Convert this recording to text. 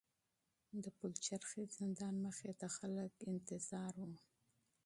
د پلچرخي زندان مخې ته خلک انتظار وو.